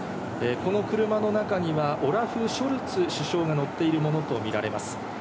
この車の中にはオラフ・ショルツ首相が乗っているものと見られます。